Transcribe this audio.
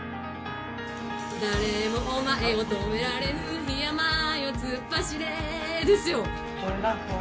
「誰もお前を止められぬ桧山よ突っ走れ」ですよ。